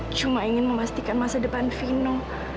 cuma ingin memastikan masa depan vino